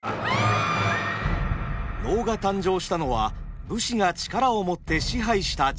能が誕生したのは武士が力を持って支配した時代。